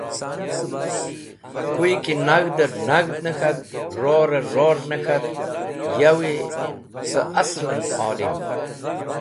Kuyẽ ki nag̃hdẽr nag̃hd ne k̃hay rorẽr ror nẽ k̃hat yawi cẽ aslẽn olim.